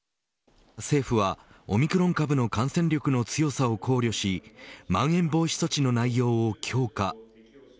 政府はオミクロン株の感染力の強さを考慮しまん延防止措置の内容を強化。